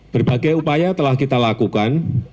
berbagai upaya telah kita lakukan